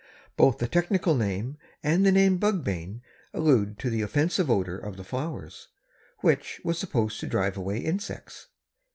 Both the technical name and the name Bugbane allude to the offensive odor of the flowers, which was supposed to drive away insects.